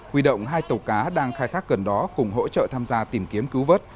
huy động hai tàu cá đang khai thác gần đó cùng hỗ trợ tham gia tìm kiếm cứu vớt